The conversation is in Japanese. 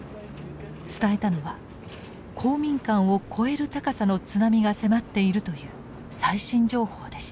伝えたのは公民館を超える高さの津波が迫っているという最新情報でした。